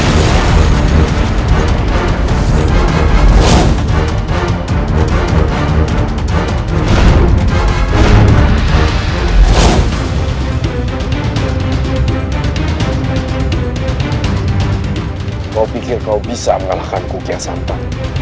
dan aku berusaha untuk mengalahkannya